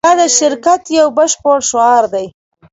دا د شرکت یو بشپړ شعار دی